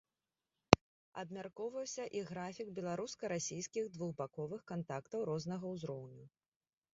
Абмяркоўваўся і графік беларуска-расійскіх двухбаковых кантактаў рознага ўзроўню.